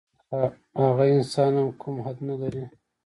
هغه انسان هم کوم حد نه لري.